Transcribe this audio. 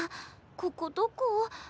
ここどこ？